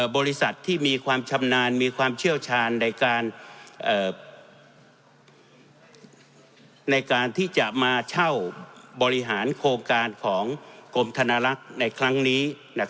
บริษัทที่มีความชำนาญมีความเชี่ยวชาญในการในการที่จะมาเช่าบริหารโครงการของกรมธนลักษณ์ในครั้งนี้